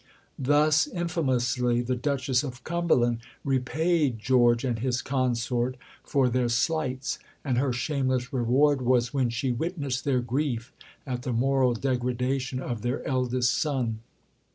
Thus infamously the Duchess of Cumberland repaid George and his Consort for their slights; and her shameless reward was when she witnessed their grief at the moral degradation of their eldest son.